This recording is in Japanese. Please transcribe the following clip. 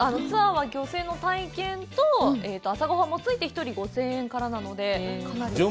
ツアーは、漁船の体験と、朝ごはんもついて、１人５０００円からなので。